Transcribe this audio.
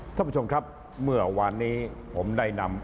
ท่านผู้ชมครับเมื่อวานนี้ผมได้นำ